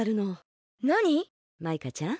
マイカちゃん。